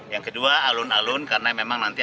yang kedua alun alun karena memang nanti